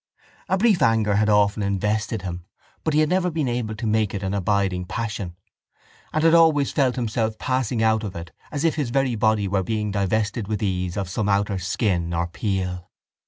A brief anger had often invested him but he had never been able to make it an abiding passion and had always felt himself passing out of it as if his very body were being divested with ease of some outer skin or peel.